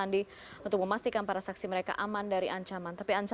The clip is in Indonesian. kita sampai semuanya tuntas